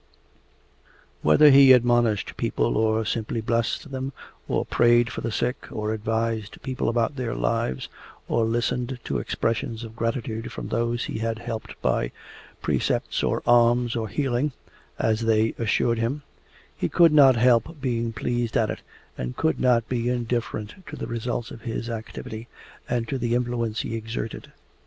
Whether he admonished people, or simply blessed them, or prayed for the sick, or advised people about their lives, or listened to expressions of gratitude from those he had helped by precepts, or alms, or healing (as they assured him) he could not help being pleased at it, and could not be indifferent to the results of his activity and to the influence he exerted.